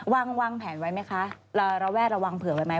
วางวางแผนไว้ไหมคะระแวดระวังเผื่อไว้ไหม